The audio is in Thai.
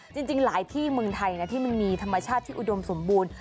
จริงหลายที่เมืองไทยนะที่มันมีธรรมชาติที่อุดมสมบูรณ์